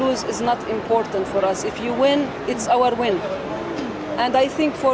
apakah kita menang atau menang tidak penting bagi kita